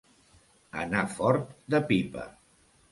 Anar fort de pipa.